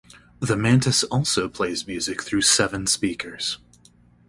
The mantis also plays music through seven speakers.